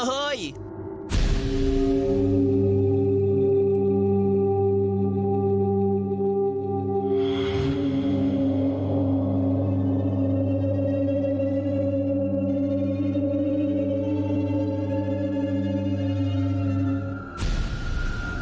มันคือรอยอะไรบ้าง